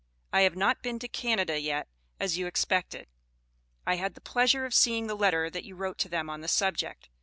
I have not been to Canaday yet, as you expected. I had the pleasure of seeing the lettor that you wrote to them on the subject.